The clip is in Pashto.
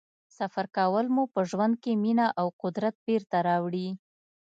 سفر کول مو په ژوند کې مینه او قدرت بېرته راوړي.